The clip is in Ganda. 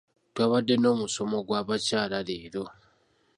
twabadde n'omusomo gw'abakyala leero